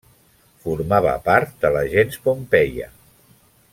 Formava part de la gens Pompeia.